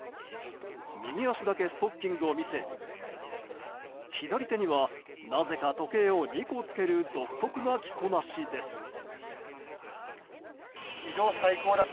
右足だけストッキングを見せ左手には、なぜか時計を２個つける独特な着こなしです。